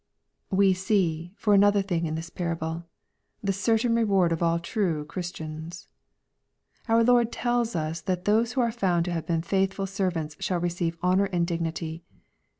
We see, for another thing, in this parable, the certain reward of all true Christians, Our Lord tells us that those who are found to have been faithful servants shall receive honor and dignity.